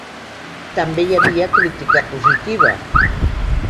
També hi havia crítica positiva.